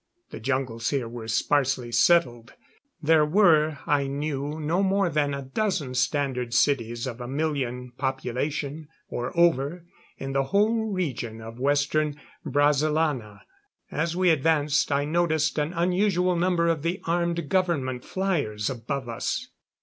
The jungles here were sparsely settled; there were, I knew, no more than a dozen standard cities of a million population, or over, in the whole region of Western Brazilana. As we advanced, I noticed an unusual number of the armed government flyers above us.